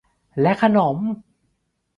และขนม